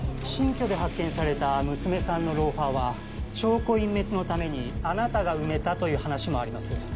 新居で発見された娘さんのローファーは証拠隠滅のためにあなたが埋めたという話もあります。